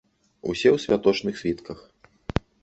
Усе ў святочных світках.